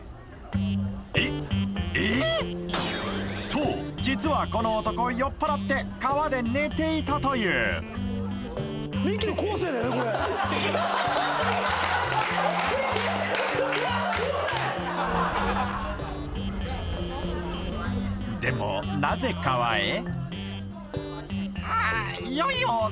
そう実はこの男酔っ払って川で寝ていたというでもなぜ川へ？